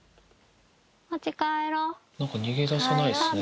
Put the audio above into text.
逃げ出さないですね